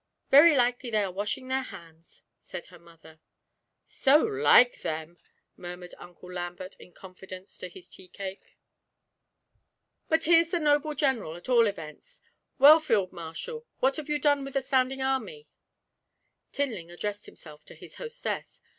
'Very likely they are washing their hands,' said her mother. 'So like them!' murmured Uncle Lambert in confidence to his tea cake. 'But here's the noble General, at all events. Well, Field Marshal, what have you done with the Standing Army?' Tinling addressed himself to his hostess.